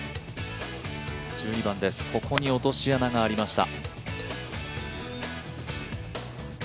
１２番です、ここに落とし穴がありました。